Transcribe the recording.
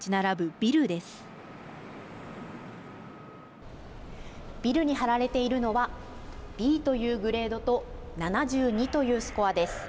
ビルに貼られているのはＢというグレードと７２というスコアです。